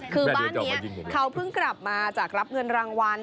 คือบ้านนี้เขาเพิ่งกลับมาจากรับเงินรางวัล